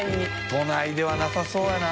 都内ではなさそうやな。